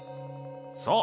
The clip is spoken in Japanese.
そう。